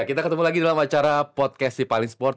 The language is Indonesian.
kita ketemu lagi dalam acara podcast si paling sport